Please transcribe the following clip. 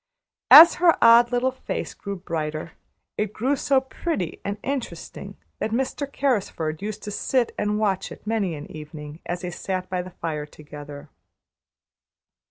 As her odd little face grew brighter, it grew so pretty and interesting that Mr. Carrisford used to sit and watch it many an evening, as they sat by the fire together.